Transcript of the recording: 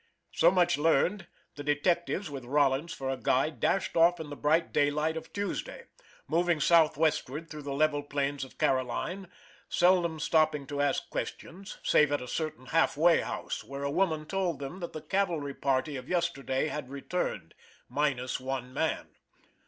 So much learned, the detectives, with Rollins for a guide, dashed off in the bright daylight of Tuesday, moving southwestward through the level plains of Caroline, seldom stopping to ask questions, save at a certain halfway house, where a woman told them that the cavalry party of yesterday had returned minus one man.